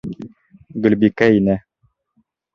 Гөлбикә инә.